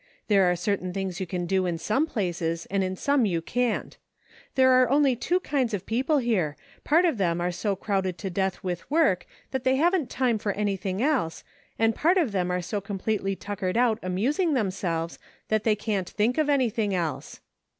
There are certain things you can do in some places, and in some you can't. There are only two kinds of peo ple here : part of them are so crowded to death with work that they haven't time for anything else, and part of them are so completely tuckered out amusing themselves that they can't think of any thing else.